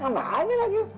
nambah aja lagi